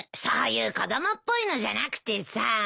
そういう子供っぽいのじゃなくてさ。